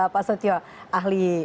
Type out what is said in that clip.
pak setio ahli